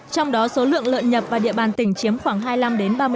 trong đó số lượng lợn nhập vào địa bàn tỉnh chiếm khoảng hai mươi năm ba mươi